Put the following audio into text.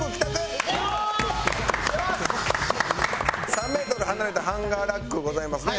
３メートル離れたハンガーラックございますね。